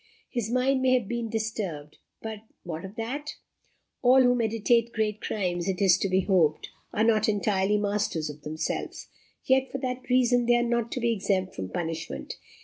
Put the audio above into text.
His mind may have been disturbed; but what of that? All who meditate great crimes, it is to be hoped, are not entirely masters of themselves. Yet for that reason they are not to be exempt from punishment.